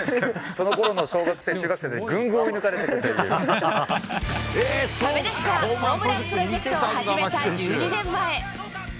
そのころの小学生、中学生に、ぐんぐん追い抜かれていくという。